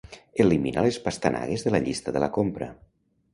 Elimina les pastanagues de la llista de la compra.